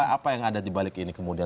apa yang ada dibalik ini